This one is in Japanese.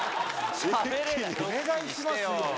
お願いしますよ。